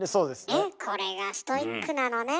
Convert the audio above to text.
ねっこれがストイックなのね